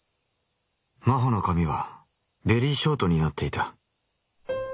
真帆の髪はベリーショートになっていた。